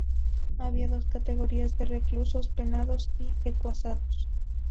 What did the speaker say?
Había dos categorías de reclusos: Penados y Encausados.